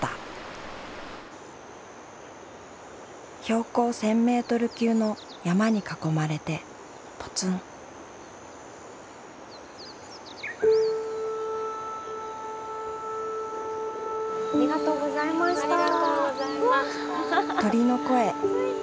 標高１，０００ｍ級の山に囲まれてぽつんありがとうございました。